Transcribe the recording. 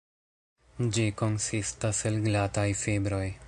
Ĝi konsistas el glataj fibroj.